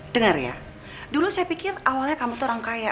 dengar ya dulu saya pikir awalnya kamu tuh orang kaya